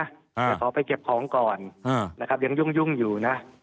แต่ขอไปเก็บของก่อนนะครับยังยุ่งอยู่นะ